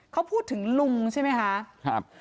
เขาพูดถึงลุงใช่ไหมคะ